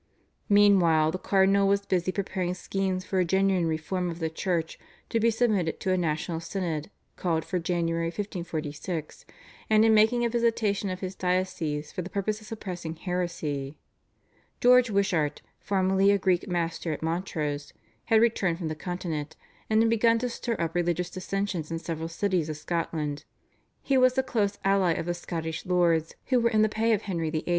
Meanwhile the cardinal was busy preparing schemes for a genuine reform of the Church to be submitted to a national synod called for January 1546, and in making a visitation of his diocese for the purpose of suppressing heresy. George Wishart, formerly a Greek master at Montrose, had returned from the Continent, and had begun to stir up religious dissension in several cities of Scotland. He was the close ally of the Scottish lords who were in the pay of Henry VIII.